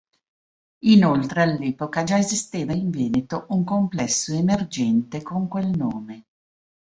Inoltre all'epoca già esisteva in Veneto un complesso emergente con quel nome.